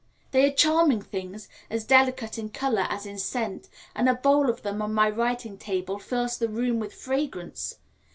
They are charming things, as delicate in colour as in scent, and a bowl of them on my writing table fills the room with fragrance.